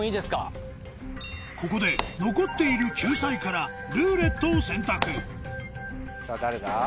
ここで残っている救済から「ルーレット」を選択さぁ誰だ？